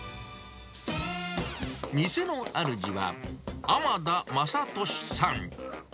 店のあるじは、天田政俊さん。